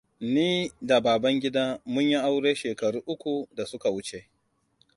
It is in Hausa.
Ni da Babangida mun yi aure shekaru uku da suka wuce.